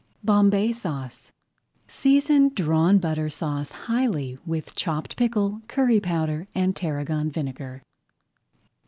BOMBAY SAUCE Season Drawn Butter Sauce highly with chopped pickle, curry powder, and tarragon vinegar.